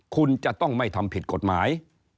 คุณจะต้องไม่ทำผิดกฎหมาย